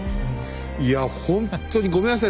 いやほんとにごめんなさい。